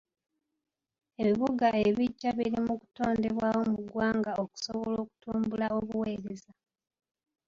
Ebibuga ebiggya biri mu kutondebwawo mu ggwanga okusobola okutumbula obuweereza.